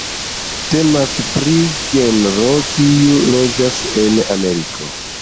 Temas pri genro kiu loĝas en Ameriko.